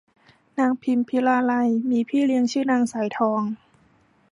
นางพิมพิลาไลยมีพี่เลี้ยงชื่อนางสายทอง